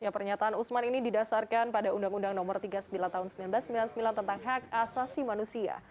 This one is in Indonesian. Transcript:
pernyataan usman ini didasarkan pada undang undang no tiga puluh sembilan tahun seribu sembilan ratus sembilan puluh sembilan tentang hak asasi manusia